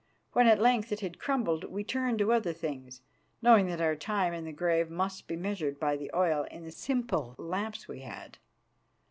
When at length it had crumbled, we turned to other things, knowing that our time in the grave must be measured by the oil in the simple lamps we had.